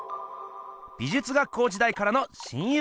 美術学校時代からの親友でした。